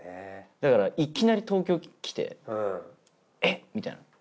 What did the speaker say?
だからいきなり東京来てえっ？みたいな。